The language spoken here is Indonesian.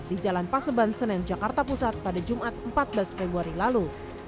di jalan paseban senen jakarta pusat pada jumat empat belas februari lalu